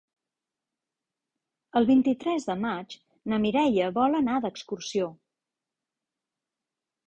El vint-i-tres de maig na Mireia vol anar d'excursió.